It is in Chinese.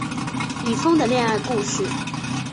李锋的恋爱故事